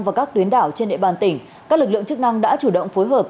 và các tuyến đảo trên địa bàn tỉnh các lực lượng chức năng đã chủ động phối hợp